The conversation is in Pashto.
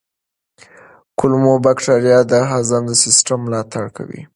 کولمو بکتریاوې د هضم سیستم ملاتړ کوي.